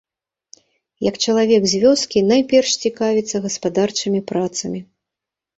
Як чалавек з вёскі, найперш цікавіцца гаспадарчымі працамі.